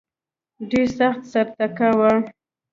ډېر سخت سر ټکاوه.